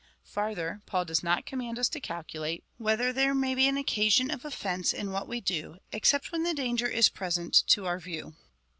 Farther, Paul does not command us to calculate, whether there may be an occasion of offence in what we do, except when the danger is present to our view.